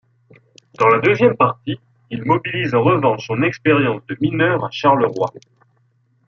Dans la deuxième partie, il mobilise en revanche son expérience de mineur à Charleroi.